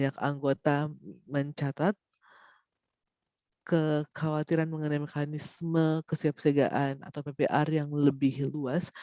kekhawatiran mengenai mekanisme kesiap segaan atau ppr yang lebih luas